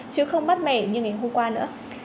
chứ không mát mẻ như ngày hôm qua nữa